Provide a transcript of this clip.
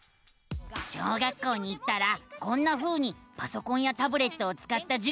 小学校に行ったらこんなふうにパソコンやタブレットをつかったじゅぎょうがあるのさ！